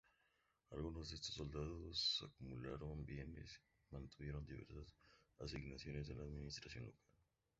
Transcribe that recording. Algunos de estos soldados acumularon bienes y mantuvieron diversas asignaciones en la administración local.